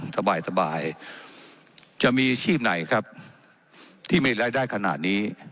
สบายสบายจะมีชีพไหนครับที่มีรายได้ขนาดนี้